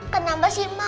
kenapa sih ma